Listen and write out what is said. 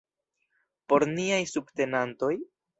Por niaj subtenantoj?